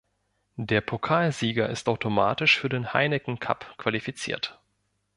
Der Pokalsieger ist automatisch für den Heineken Cup qualifiziert.